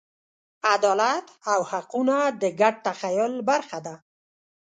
عدالت او حقونه د ګډ تخیل برخه ده.